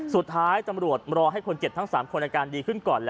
สุดท้ายตำรวจรอให้คนเจ็บทั้ง๓คนอาการดีขึ้นก่อน